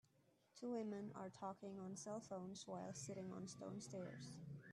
Two women are talking on cellphones while sitting on stone stairs